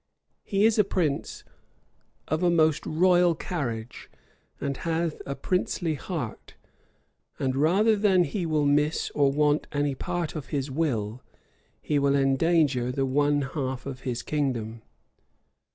"He is a prince of a most royal carriage, and hath a princely heart; and rather than he will miss or want any part of his will, he will endanger the one half of his kingdom.